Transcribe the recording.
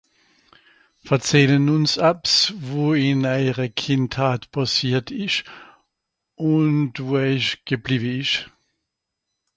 Verzehle-n-ùns abbs, wo ìn èiere Kìndhaat pàssiert ìsch, ùn wo èich gebliwe ìsch.